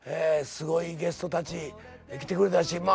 すごいゲストたち来てくれたし。